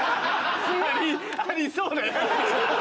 ありそうなやつ